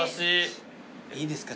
いいですか？